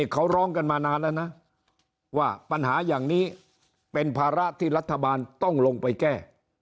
เขาร้องกันมานานแล้วนะว่าปัญหาอย่างนี้เป็นภาระที่รัฐบาลต้องลงไปแก้